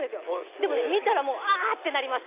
でも見たらもう、ああってなります。